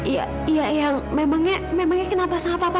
ya ya ya memangnya memangnya kenapa sama papa